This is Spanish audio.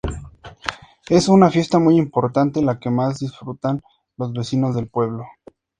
Es una fiesta muy importante, la que más disfrutan los vecinos del pueblo.